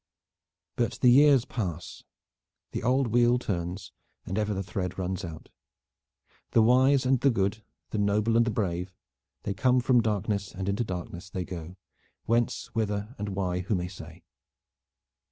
But the years pass; the old wheel turns and ever the thread runs out. The wise and the good, the noble and the brave, they come from the darkness, and into the darkness they go, whence, whither and why, who may say?